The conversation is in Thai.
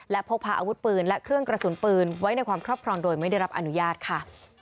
และพกพาอาวุธปืนและเครื่องกระสุนปืนไว้ในความครอบครองโดยไม่ได้รับอนุญาตค่ะ